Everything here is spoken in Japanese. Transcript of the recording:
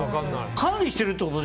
管理してるってこと？